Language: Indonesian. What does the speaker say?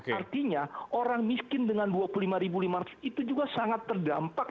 artinya orang miskin dengan dua puluh lima lima ratus itu juga sangat terdampak